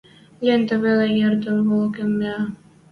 Лентӓ веле ӹдӹрволкыш миӓ